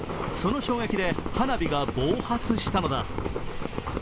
その衝撃で花火が暴発したのだ。